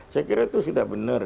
saya kira itu sudah benar